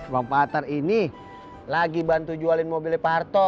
bang pak hatar ini lagi bantu jualin mobilnya pak harto